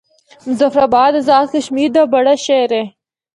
مظفرآباد آزاد کشمیر دا بڑا شہر اے۔